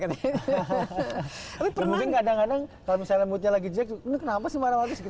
terutama kadang kadang kalau misalnya moodnya lagi jelek kenapa sih marah waktu itu